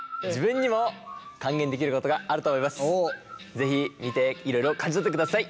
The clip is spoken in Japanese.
是非見ていろいろ感じ取ってください。